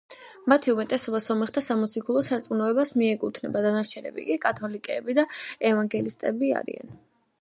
მათი უმეტესობა სომეხთა სამოციქულო სარწმუნოებას მიეკუთვნება, დანარჩენები კი კათოლიკეები და ევანგელისტები არიან.